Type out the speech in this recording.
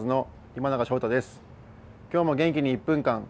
今日も元気に「１分間！